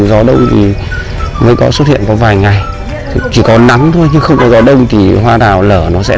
gió đông thì mới có xuất hiện có vài ngày chỉ có nắng thôi chứ không có gió đông thì hoa đào lở